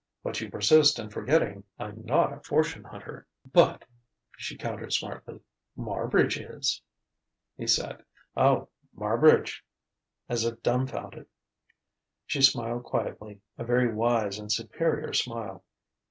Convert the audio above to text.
"But you persist in forgetting I'm not a fortune hunter." "But," she countered smartly, "Marbridge is." He said: "Oh Marbridge!" as if dumbfounded. She smiled quietly, a very wise and superior smile.